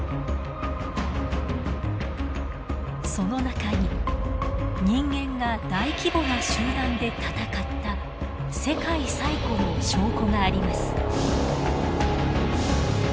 その中に人間が大規模な集団で戦った世界最古の証拠があります。